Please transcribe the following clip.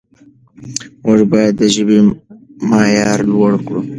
موږ باید د ژبې معیار لوړ کړو.